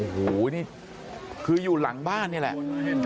โอ้โหนี่คืออยู่หลังบ้านนี่แหละ